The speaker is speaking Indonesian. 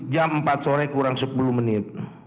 jam empat sore kurang sepuluh menit